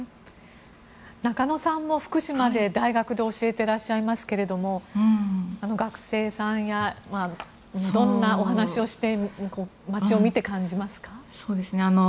中野さんも福島の大学で教えていらっしゃいますけど学生さんやどんなお話をして町を見て、感じますか？